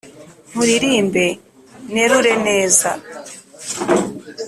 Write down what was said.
Nkuririmbe nerure neza